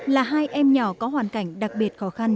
là hai em nhỏ có hoàn cảnh đặc biệt khó khăn